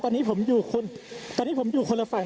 ใช่ครับตอนนี้ผมอยู่คนละฝั่ง